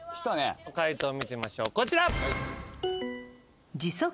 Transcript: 解答見てみましょうこちら。